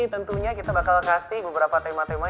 tentunya kita bakal kasih beberapa tema tema